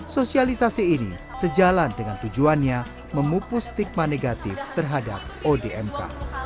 sosialisasi ini sejalan dengan tujuannya memupus stigma negatif terhadap odmk